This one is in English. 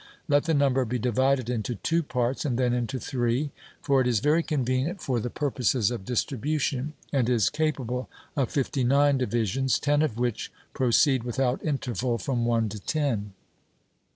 Let the number be divided into two parts and then into three; for it is very convenient for the purposes of distribution, and is capable of fifty nine divisions, ten of which proceed without interval from one to ten.